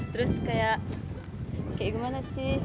terus kayak gimana sih